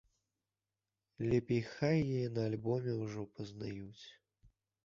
Лепей хай яе на альбоме ўжо пазнаюць.